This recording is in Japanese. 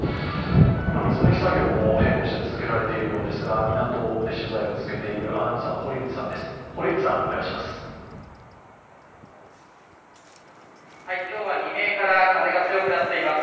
今、水抜き作業も並行して行われているようですが、港で取材を続けているアナウンサーの堀内さんです、お願いします。